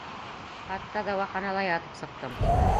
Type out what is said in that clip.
Хатта дауаханала ятып сыҡтым.